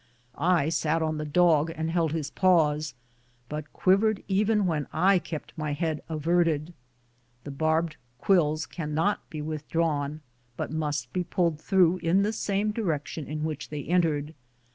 I sat on the dog and held his paws, but quivered even when I kept my head averted. The quills being barbed cannot be withdrawn, but must be pulled through in the same direction in which they en tered.